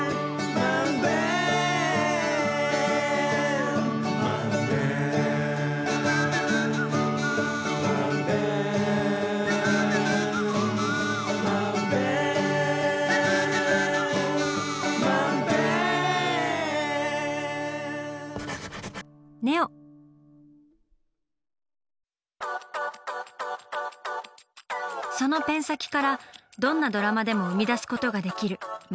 そのペン先からどんなドラマでも生み出すことができる「漫画」。